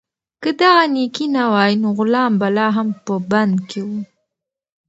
که دغه نېکي نه وای، نو غلام به لا هم په بند کې و.